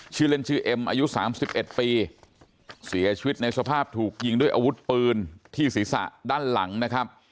ชื่อเล่นชื่อเอ็มอายุ๓๑ปีเสียชีวิตในสภาพถูกยิงด้วยอาวุธปืนที่ศีรษะด้านหลังนะครับ